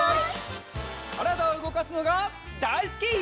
からだをうごかすのがだいすき！